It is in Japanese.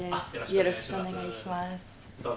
よろしくお願いします。